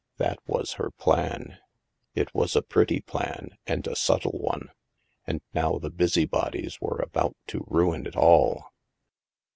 That was her plan. It was a pretty plan and a subtle one, and now the busybodies were about to ruin it all.